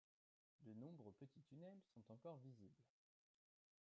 De nombreux petits tunnels sont encore visibles.